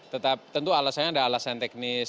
tetap tentu alasannya ada alasan teknis